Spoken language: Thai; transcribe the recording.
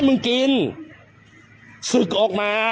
ภาพนี้เป็นหน้า